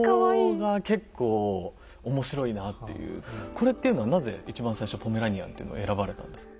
これっていうのはなぜ一番最初ポメラニアンっていうのを選ばれたんですか？